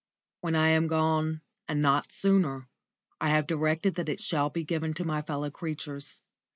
When I am gone, and not sooner, I have directed that it shall be given to my fellow creatures.